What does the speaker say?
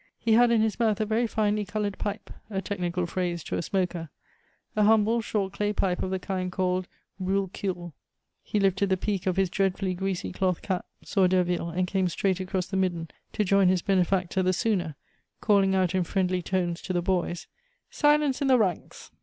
He had in his mouth a very finely colored pipe a technical phrase to a smoker a humble, short clay pipe of the kind called "brule queule." He lifted the peak of a dreadfully greasy cloth cap, saw Derville, and came straight across the midden to join his benefactor the sooner, calling out in friendly tones to the boys: "Silence in the ranks!"